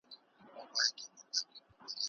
استاد شاګرد ته د نويو لارو چارو مشوره ورکوي.